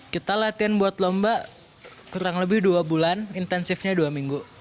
kita latihan buat lomba kurang lebih dua bulan intensifnya dua minggu